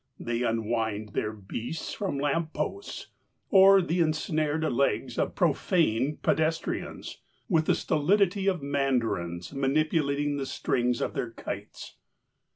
They unwind their beasts from lamp posts, or the ensnared legs of profane pedestrians, with the stolidity of mandarins manipulating the strings of their kites.